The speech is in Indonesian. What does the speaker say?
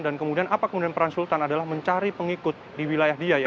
dan kemudian apa kemudian peran sultan adalah mencari pengikut di wilayah dia